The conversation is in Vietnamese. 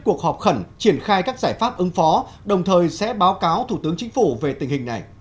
cuộc họp khẩn triển khai các giải pháp ứng phó đồng thời sẽ báo cáo thủ tướng chính phủ về tình hình này